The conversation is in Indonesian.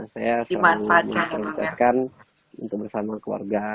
saya selalu memprioritaskan untuk bersama keluarga